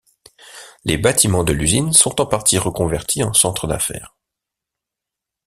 Les bâtiments de l'usine sont en partie reconvertis en centre d'affaires.